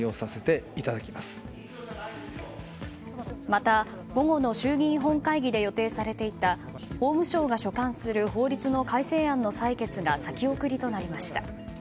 また、午後の衆議院本会議で予定されていた法務省が所管する法律の改正案の採決が先送りとなりました。